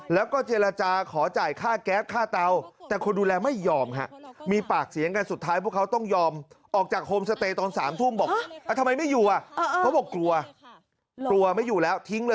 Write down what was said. แล้วก็เจรจาขอจ่ายค่าแก๊สค่า